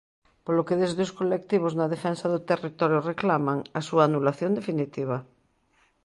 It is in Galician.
Polo que desde os colectivos na defensa do territorio reclaman "a súa anulación definitiva".